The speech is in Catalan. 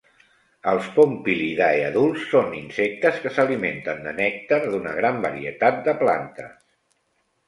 Els Pompilidae adults són insectes que s'alimenten de nèctar d'una gran varietat de plantes.